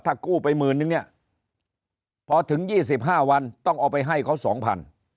ถ้ากู้ไปหมื่นนึงเนี่ยพอถึง๒๕วันต้องเอาไปให้เขาสองพัน